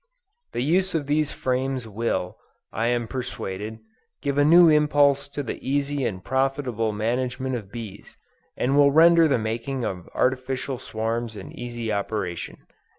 "The use of these frames will, I am persuaded, give a new impulse to the easy and profitable management of bees; and will render the making of artificial swarms an easy operation."